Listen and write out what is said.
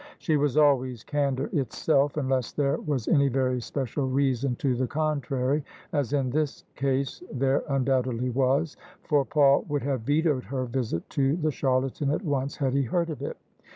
She was always candour itself, unless there was any very special reason to the contrary — ^as in this case there undoubtedly was, for Paul would have vetoed her visit to the charlatan at once had he heard of it.